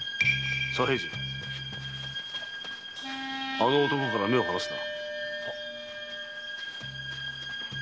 あの男から目を離すな。